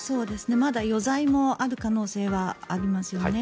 まだ余罪もある可能性はありますよね。